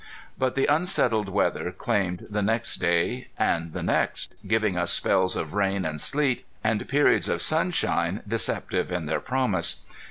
But the unsettled weather claimed the next day and the next, giving us spells of rain and sleet, and periods of sunshine deceptive in their promise.